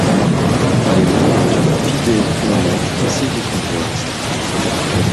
Il est membre du Fidesz-Union civique hongroise.